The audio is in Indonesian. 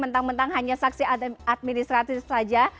mentang mentang hanya saksi administratif saja